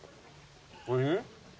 おいしい？